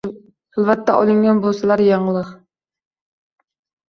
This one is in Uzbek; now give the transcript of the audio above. hilvatda olingan bo’salar yanglig’…